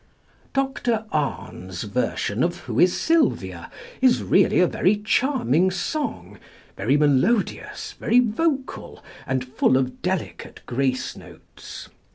+Dr Arne's+ version of "Who is Sylvia?" is really a very charming song, very melodious, very vocal, and full of delicate grace notes.